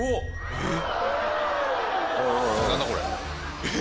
えっ！？